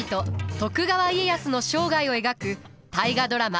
徳川家康の生涯を描く大河ドラマ